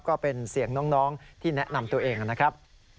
ก็เป็นเสียงน้องที่แนะนำตัวเองนะครับ